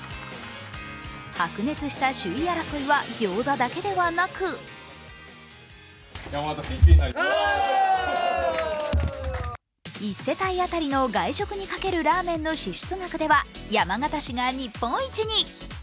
白熱した首位争いはギョーザだけではなく１世帯当たりの外食にかけるラーメンの支出額では山形市が日本一に。